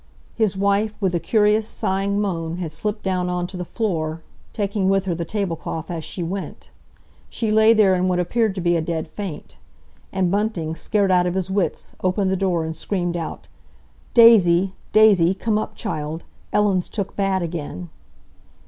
His wife, with a curious sighing moan, had slipped down on to the floor, taking with her the tablecloth as she went. She lay there in what appeared to be a dead faint. And Bunting, scared out of his wits, opened the door and screamed out, "Daisy! Daisy! Come up, child. Ellen's took bad again."